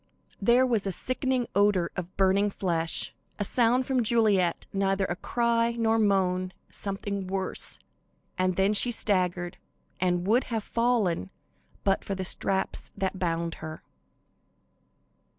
There was a sickening odor of burning flesh, a sound from Juliet, neither a cry nor moan, something worse, and then she staggered and would have fallen but for the straps that bound her.